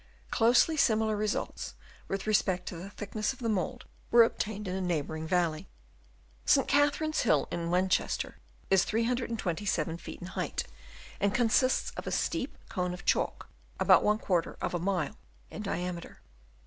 Closely similar results, with respect to the thickness of the mould, were obtained in a neighbouring valley. St. Catherine's Hill, near Winchester, is 327 feet in height, and consists of a steep cone of chalk about i of a mile in diameter.